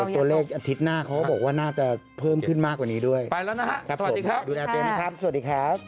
โปรดติดตามตอนต่อไป